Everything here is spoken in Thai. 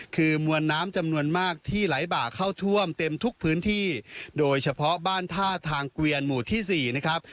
คือมวลน้ำจำนวนมากที่ไหลบ่าเข้าท่วมเต็มทุกพื้นที่โดยเฉพาะบ้านท่าทางเกวียนหมู่ที่๔นะครับ